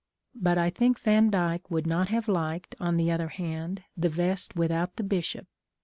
But I think Vandyck would not have liked, on the other hand, the vest without the bishop.